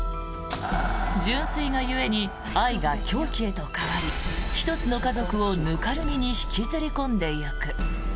純粋が故に愛が狂気へと変わり１つの家族を泥濘に引きずり込んでゆく。